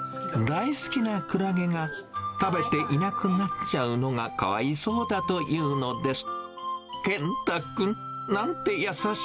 大好きなクラゲが、食べていなくなっちゃうのがかわいそうだと言うのです。